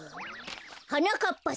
「はなかっぱさま